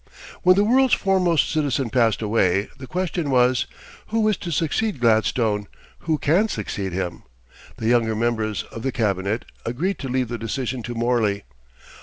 When the world's foremost citizen passed away, the question was, Who is to succeed Gladstone; who can succeed him? The younger members of the Cabinet agreed to leave the decision to Morley.